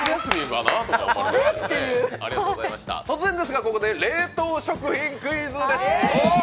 突然ですが、ここで冷凍食品クイズです！